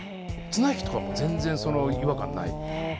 綱引きとかも全然違和感ない。